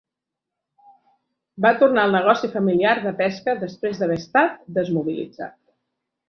Va tornar al negoci familiar de pesca després d'haver estat desmobilitzat.